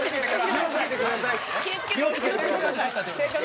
気をつけてくださいって。